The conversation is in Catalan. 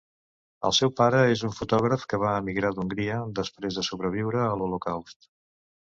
El seu pare és un fotògraf que va emigrar d'Hongria, després de sobreviure a l'Holocaust.